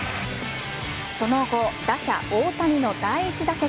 その後、打者・大谷の第１打席。